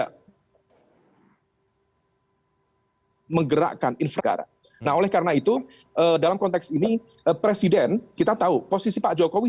hai menggerakkan infogara nah oleh karena itu dalam konteks ini presiden kita tahu posisi pak jokowi